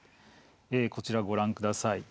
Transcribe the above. こちらをご覧ください。